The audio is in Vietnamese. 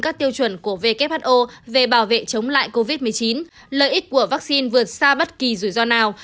các tiêu chuẩn của who về bảo vệ chống lại covid một mươi chín lợi ích của vaccine vượt xa bất kỳ rủi ro nào